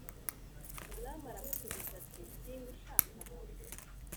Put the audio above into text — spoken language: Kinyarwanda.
umwami aramusubiza ati singushaka aha